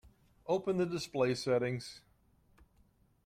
Open the display settings.